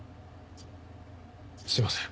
すいません。